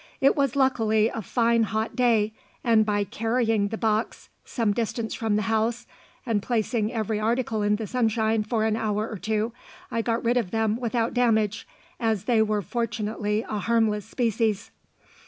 It was luckily a fine hot day, and by carrying the box some distance from the house, and placing every article in the sunshine for an hour or two, I got rid of them without damage, as they were fortunately a harmless species.